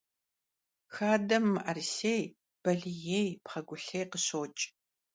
Xadem mı'erısêy, baliêy, pxhegulhêy khışoç'.